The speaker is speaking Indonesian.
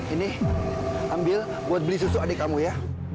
ini ambil buat beli susu adik kamu ya